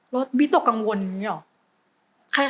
รถวิตกังวลอย่างนี้หรอ